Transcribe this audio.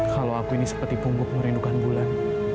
kalau aku ini seperti pungguk merindukan bulan